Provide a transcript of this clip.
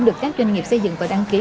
được các doanh nghiệp xây dựng và đăng ký